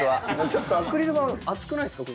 ちょっとアクリル板厚くないですか？